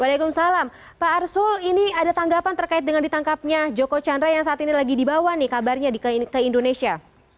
waalaikumsalam pak arsul ini ada tanggapan terkait dengan ditangkapnya joko chandra yang saat ini lagi dibawa nih kabarnya ke indonesia